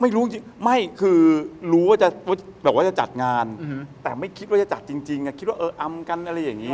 ไม่รู้จริงไม่คือรู้ว่าจะแบบว่าจะจัดงานแต่ไม่คิดว่าจะจัดจริงคิดว่าเอออำกันอะไรอย่างนี้